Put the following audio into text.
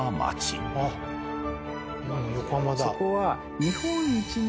そこは。